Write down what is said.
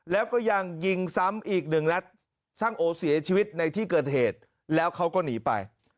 แล้วก็ยังยิงซ้ำอีกหนึ่งนัดช่างโอเสียชีวิตในที่เกิดเหตุแล้วเขาก็หนีไป